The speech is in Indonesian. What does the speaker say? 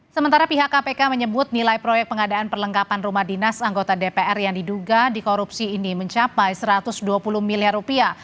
sementara pihak kpk menyebut nilai proyek pengadaan perlengkapan rumah dinas anggota dpr yang diduga dikorupsi ini mencapai satu ratus dua puluh miliar rupiah